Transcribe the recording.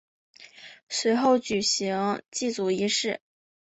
随后举行祭祖仪式。